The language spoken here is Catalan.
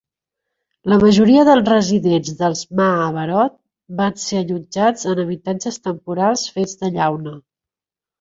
La majoria dels residents dels ma'abarot van ser allotjats en habitatges temporals fets de llauna.